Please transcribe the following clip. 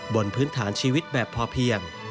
บนพื้นฐานชีวิตแบบพอเพียง